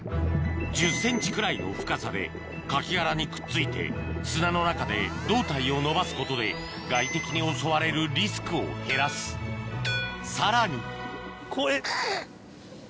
１０ｃｍくらいの深さで牡蠣殻にくっついて砂の中で胴体を伸ばすことで外敵に襲われるリスクを減らすさらにこれ。